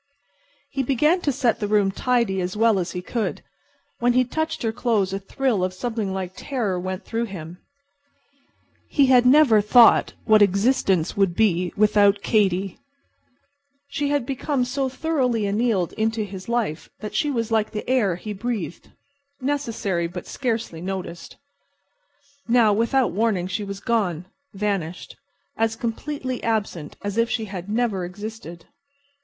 He began to set the rooms tidy as well as he could. When he touched her clothes a thrill of something like terror went through him. He had never thought what existence would be without Katy. She had become so thoroughly annealed into his life that she was like the air he breathed—necessary but scarcely noticed. Now, without warning, she was gone, vanished, as completely absent as if she had never existed.